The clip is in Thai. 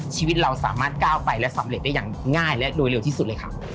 ชีวิตเราสามารถก้าวไปและสำเร็จได้อย่างง่ายและโดยเร็วที่สุดเลยค่ะ